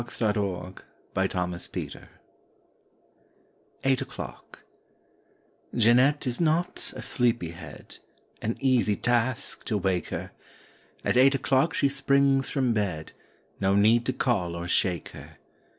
1 A PARIS PAIR A PARIS PAIR EIGHT O'CLOCK J EANETTE is not a sleepy head; An easy task, to wake her! At eight o'clock she springs from bed No need to call or shake her.